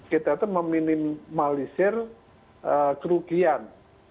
kita itu meminimalisir kerugian